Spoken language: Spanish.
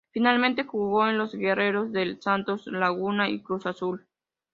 Finalmente, jugó en los Guerreros del Santos Laguna y Cruz Azul.